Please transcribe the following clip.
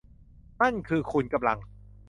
นั่นคือคุณกำลัง